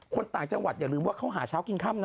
ต่างจังหวัดอย่าลืมว่าเขาหาเช้ากินค่ำนะ